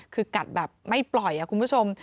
คือกัดแบบไม่ปล่อยคุณผู้ชม